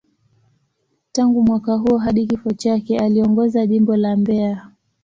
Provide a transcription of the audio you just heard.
Tangu mwaka huo hadi kifo chake, aliongoza Jimbo la Mbeya.